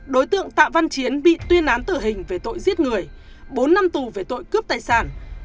đối tượng tạ văn chiến bị tuyên án tử hình về tội giết người bốn năm tù về tội cướp tài sản